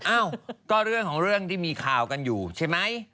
เอ้าก็เรื่องของเรื่องที่มีข่าวกันอยู่ใช่ไหม